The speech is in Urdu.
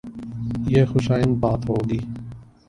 یہ خوش آئند بات ہو گی۔